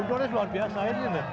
untungnya luar biasa ini